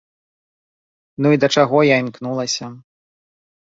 Ну і да чаго я імкнулася?